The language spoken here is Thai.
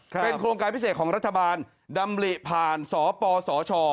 เป็นโครงการพิเศษของรัฐบาลดำริผ่านสปสช